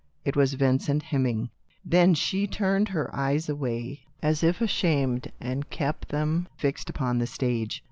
It was Vincent Hemming. Then she turned her eyes away — as if ashamed — and kept them fixed upon the stage.